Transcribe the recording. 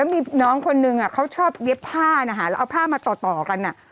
มีน้องคนนึงเขาชอบเย็บผ้านะคะแล้วเอาผ้ามาต่อกัน